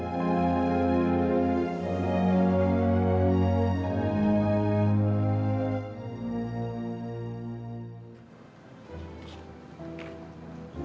nontalita juga pasti bahagia